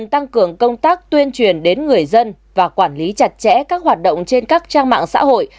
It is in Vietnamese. tăng cường công tác tuyên truyền đến người dân và quản lý chặt chẽ các hoạt động trên các trang mạng xã hội